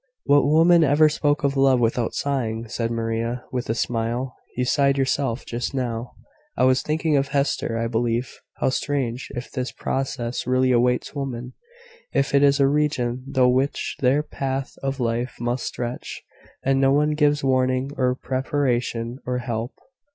"What woman ever spoke of love without sighing?" said Maria, with a smile. "You sighed yourself, just now." "I was thinking of Hester, I believe. How strange, if this process really awaits women if it is a region through which their path of life must stretch and no one gives warning, or preparation, or help!"